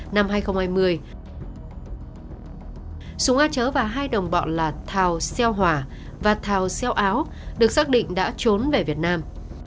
năm hai nghìn hai mươi súng á chở và hai đồng bọn là thào xeo hỏa và thào xeo áo được xác định đã trốn về việt nam